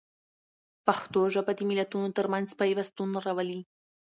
پښتو ژبه د ملتونو ترمنځ پیوستون راولي.